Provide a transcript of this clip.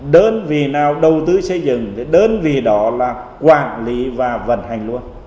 đến vì nào đầu tư xây dựng thì đến vì đó là quản lý và vận hành luôn